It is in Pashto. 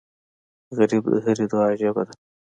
غریب د هرې دعا ژبه ده